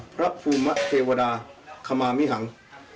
พระภูมิเทวดาขมามิหัง